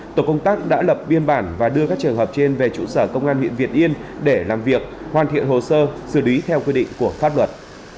tổ công tác đã lập biên bản và đưa các trường hợp trên về trụ sở công an huyện việt yên để làm việc hoàn thiện hồ sơ xử lý theo quy định của pháp luật